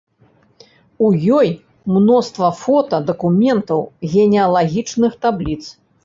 У ёй мноства фота, дакументаў, генеалагічных табліц.